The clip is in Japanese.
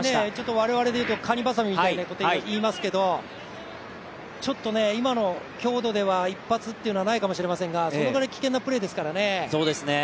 我々でいうとかにばさみみたいなこと言いますけどちょっと今の強度では、一発というのはないかもしれませんがそのぐらい危険なプレーですから。